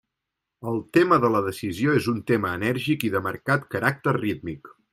El tema de la decisió és un tema enèrgic i de marcat caràcter rítmic.